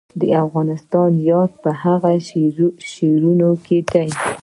د افغانستان یاد په شعرونو کې دی